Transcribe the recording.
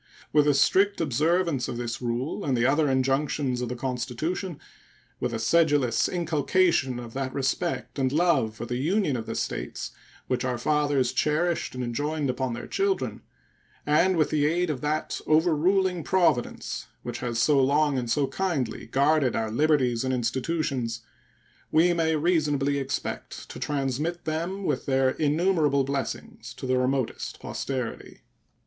With the strict observance of this rule and the other injunctions of the Constitution, with a sedulous inculcation of that respect and love for the Union of the States which our fathers cherished and enjoined upon their children, and with the aid of that overruling Providence which has so long and so kindly guarded our liberties and institutions, we may reasonably expect to transmit them, with their innumerable blessings, to the remotest posterity.